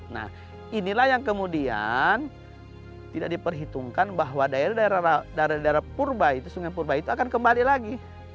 nah inilah yang kemudian tidak diperhitungkan bahwa daerah daerah purba itu sungai purba itu akan kembali lagi